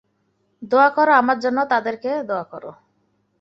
দোয়া কর আমার জন্য তাদেরকে দোয়া কর।